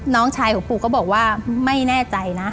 น้องชายของปู่ก็บอกว่าไม่แน่ใจนะ